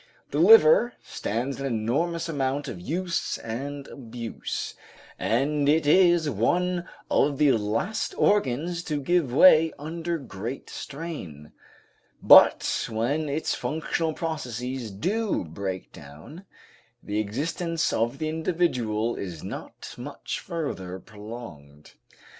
The liver stands an enormous amount of use and abuse, and it is one of the last organs to give way under great strain, but when its functional processes do break down, the existence of the individual is not much further prolonged.